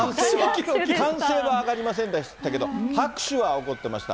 歓声は上がりませんでしたけれども、拍手は起こってました。